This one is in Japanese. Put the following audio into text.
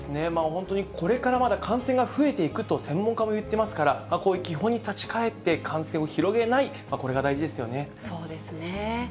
本当にこれからまだ感染が増えていくと専門家も言ってますから、こういう基本に立ち返って、感染を広げない、これが大事ですそうですよね。